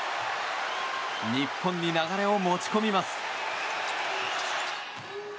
日本に流れを持ち込みます。